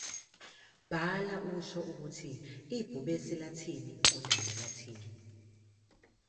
Bhala usho ukuthi ibhubesi lathini igundane lathini.